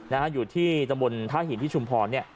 นะฮะอยู่ที่ตำบลท่าหินที่ชุมพรเนี่ย